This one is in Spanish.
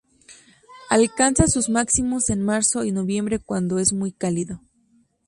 Alcanza sus máximos en marzo y noviembre cuando es muy cálido.